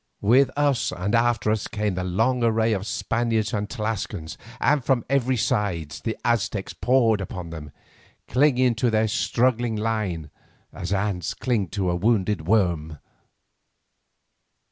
With us and after us came the long array of Spaniards and Tlascalans, and from every side the Aztecs poured upon them, clinging to their struggling line as ants cling to a wounded worm.